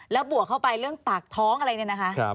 แล้วบวกเข้าไปเรื่องปากท้องอะไรเนี่ยนะคะ